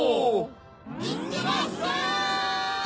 いってらっしゃい！